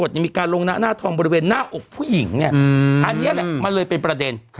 ยังมีการลงหน้าหน้าทองบริเวณหน้าอกผู้หญิงเนี่ยอันนี้แหละมันเลยเป็นประเด็น